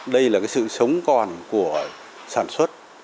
đây là sự sống còn của sản xuất